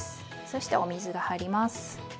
そしてお水が入ります。